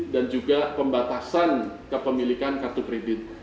dan juga pembatasan kepemilikan kartu kredit